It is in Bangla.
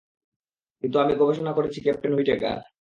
কিন্তু আমি গবেষণা করেছি, ক্যাপ্টেন হুইটেকার।